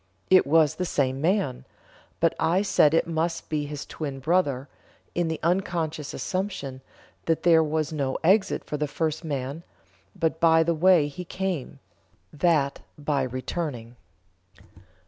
It was the same man; but I said it must be his twin brother, in the unconscious assumption that there was no exit for the first man but by the way he came (that by returning)."